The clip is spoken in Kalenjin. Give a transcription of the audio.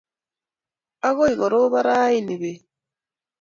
Akoi koropon rani peet